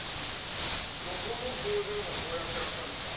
どこの工場もこうやってらっしゃるんですか。